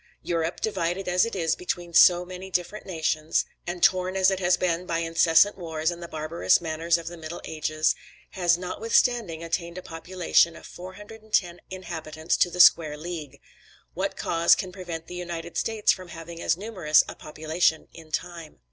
Europe, divided as it is between so many different nations, and torn as it has been by incessant wars and the barbarous manners of the Middle Ages, has notwithstanding attained a population of 410 inhabitants to the square league. What cause can prevent the United States from having as numerous a population in time?